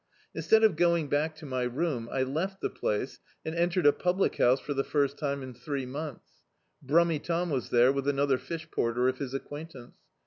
Instead of go ing back to my room, I left the place and entered a public house for the first time in three months. "Brummy" Tom was there, with another fish porter of his acquaintance.